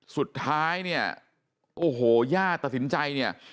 สุดท้ายเนี่ยโอ้โหย่าตัดสินใจเนี่ย